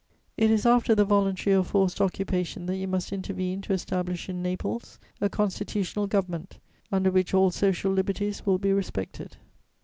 "It is after the voluntary or forced occupation that you must intervene to establish in Naples a constitutional government, under which all social liberties will be respected."